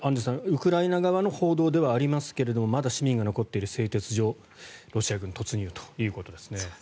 ウクライナ側の報道ではありますがまだ市民が残っている製鉄所にロシア軍突入ということですね。